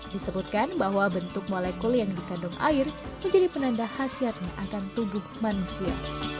disebutkan bahwa bentuk molekul yang dikandung air menjadi penanda khasiatnya akan tubuh manusia